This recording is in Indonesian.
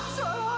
jangan pergi bu